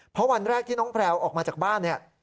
เพราะวันแรกที่น้องแพลวออกมาจากบ้านเนี่ย